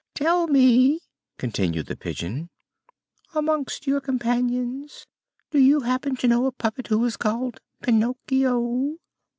"Tell me," continued the Pigeon, "amongst your companions, do you happen to know a puppet who is called Pinocchio?"